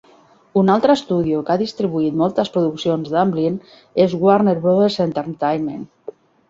Un altre estudio que ha distribuït moltes produccions d"Amblin és Warner Brothers Entertainment.